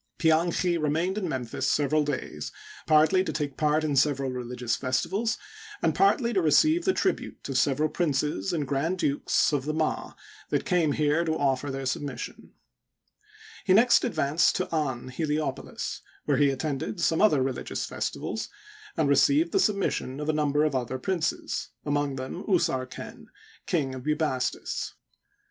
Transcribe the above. Pianchi remained in Memphis several days, partly to take part in several religious festivals and partly to receive the tribute of several princes and grand dukes of the Ma that came here to offer their submission. He next advanced to An Heltopolis, where he attended Digitized byCjOOQlC AETHIOPIANS AND ASSYRIANS IN EGYPT. 117 some other religious festivals and received the submission of a number of other princes, among them Usarken, King of Bubastis.